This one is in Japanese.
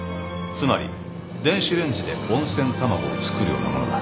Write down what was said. つまり電子レンジで温泉卵を作るようなものだ。